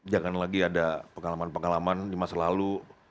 jangan lagi ada pengalaman pengalaman di masa lalu